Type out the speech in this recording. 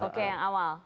oke yang awal